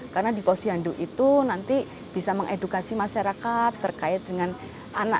karena di posyandu itu nanti bisa mengedukasi masyarakat terkait dengan anak